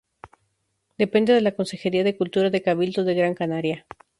Depende de la Consejería de Cultura del Cabildo de Gran Canaria.